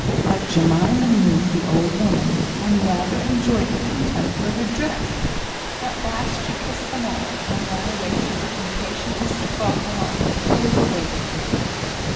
But Jemima knew the old woman, and rather enjoyed the contempt for her dress. At last she kissed them all, and ran away to her impatient Mr Farquhar, who was awaiting her.